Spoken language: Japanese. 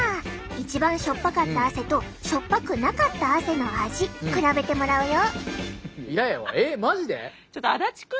一番塩っぱかった汗と塩っぱくなかった汗の味比べてもらうよ！